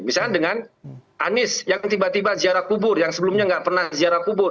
misalnya dengan anies yang tiba tiba ziarah kubur yang sebelumnya nggak pernah ziarah kubur